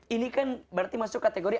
ini kan berarti masuk kategori